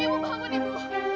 ibu bangun ibu